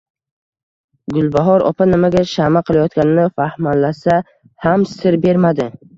Gulbahor opa nimaga shama qilayotganini fahmlasa ham sir bermadi